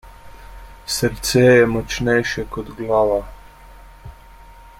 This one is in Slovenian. Srce je močnejše kot glava.